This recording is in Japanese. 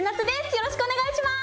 よろしくお願いします！